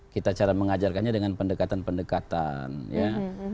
kita cara mengajarkannya dengan pendekatan pendekatan ya